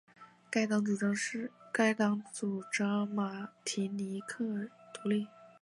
该党主张马提尼克独立。